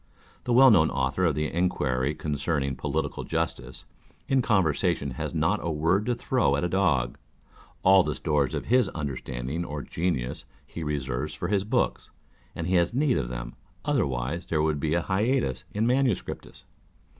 The well known Author of the Enquiry concerning Political Justice, in conversation has not a word to throw at a dog ; all the stores of his understanding or genius he reserves for his books, and he has need of them, otherwise there would be hiatus in manuscriptis.